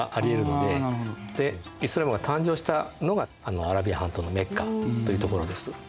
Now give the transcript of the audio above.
でイスラームが誕生したのがアラビア半島のメッカという所です。